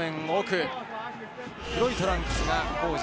黒いトランクスが皇治。